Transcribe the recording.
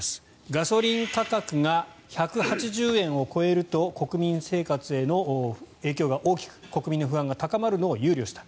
ガソリン価格が１８０円を超えると国民生活への影響が大きく国民の不安が高まるのを憂慮した。